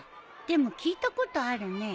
でも聞いたことあるね。